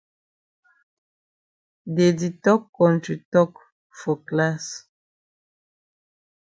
Dey di tok kontri tok for class.